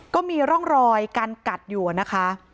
ก็มีร่องรอยการกัดอยู่นะคะ